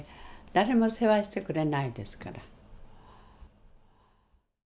誰も世話してくれないですから。